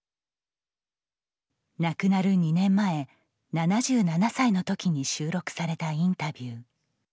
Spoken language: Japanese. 亡くなる２年前７７歳の時に収録されたインタビュー。